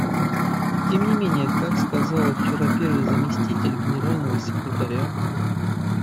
Тем не менее, как сказала вчера первый заместитель Генерального секретаря,.